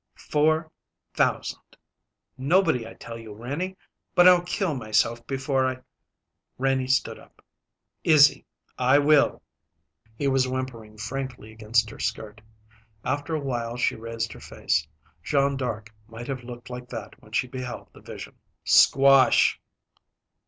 "Four thousand!" "No body, I tell you, Renie. But I'll kill myself before I " Renie stood up. "Izzy! I will!" He was whimpering frankly against her skirt. After a while she raised her face. Jeanne d'Arc might have looked like that when she beheld the vision. "Squash!"